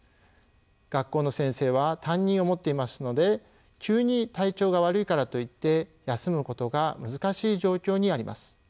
学校の先生は担任を持っていますので急に体調が悪いからといって休むことが難しい状況にあります。